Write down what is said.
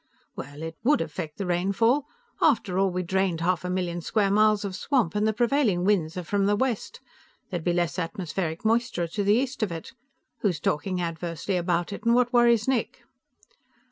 "Well, it would affect the rainfall. After all, we drained half a million square miles of swamp, and the prevailing winds are from the west. There'd be less atmospheric moisture to the east of it. Who's talking adversely about it, and what worries Nick?"